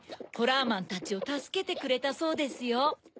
ホラーマンたちをたすけてくれたそうですよ。